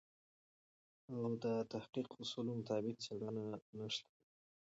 او د تحقیق اصولو مطابق څېړنه نشته دی.